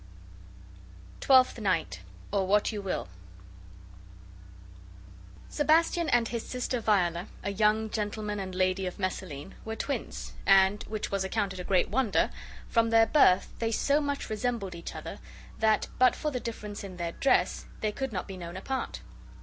TWELFTH NIGHT; OR, WHAT YOU WILL Sebastian and his sister Viola, a young gentleman and lady of Messaline, were twins, and (which was accounted a great wonder) from their birth they so much resembled each other that, but for the difference in their dress, they could not be known apart.